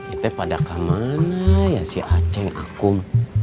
ate pada kemana ya si aceng akum